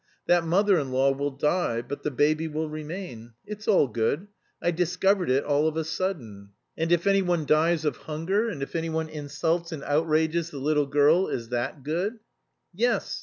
That mother in law will die; but the baby will remain. It's all good. I discovered it all of a sudden." "And if anyone dies of hunger, and if anyone insults and outrages the little girl, is that good?" "Yes!